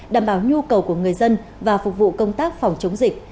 đảm bảo nhu cầu của người dân và phục vụ công tác phòng chống dịch